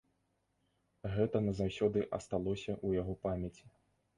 Гэта назаўсёды асталося ў яго памяці.